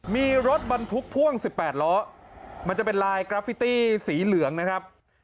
มีรถบรรทุกพ่วง๑๘ล้อมันจะเป็นลายกราฟิตี้สีเหลืองนะครับ